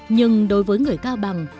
nhưng đối với người cao bằng